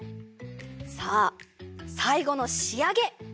さあさいごのしあげ！